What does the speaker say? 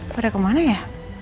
pada kemana ya